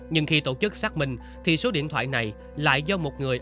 nhưng khi tổ chức xác minh thì số điện thoại này lại do một người